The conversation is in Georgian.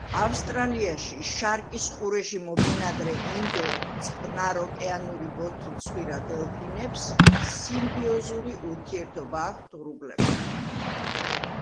ავსტრალიაში, შარკის ყურეში მობინადრე ინდო-წყნაროკეანური ბოთლცხვირა დელფინებს სიმბიოზური ურთიერთობა აქვთ ღრუბლებთან.